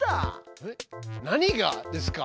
えっ何がですか？